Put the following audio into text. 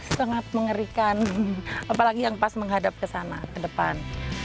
sangat mengerikan apalagi yang pas menghadap ke sana ke depan